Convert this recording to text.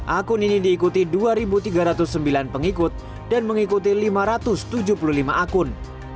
akun ini diikuti dua tiga ratus sembilan pengikut dan mengikuti lima ratus tujuh puluh lima akun